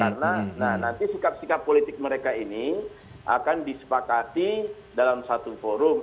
karena nah nanti sikap sikap politik mereka ini akan disepakati dalam satu forum